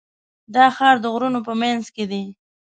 دا ښار د غرونو په منځ کې دی.